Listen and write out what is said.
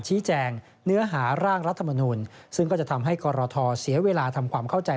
ชี้แจงเนื้อหาร่างรัฐมนุนซึ่งก็จะทำให้กรทเสียเวลาทำความเข้าใจ